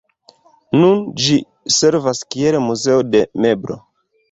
Nun ĝi servas kiel muzeo de meblo.